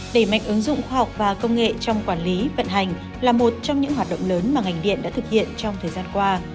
đẩy mạnh ứng dụng khoa học và công nghệ trong quản lý vận hành là một trong những hoạt động lớn mà ngành điện đã thực hiện trong thời gian qua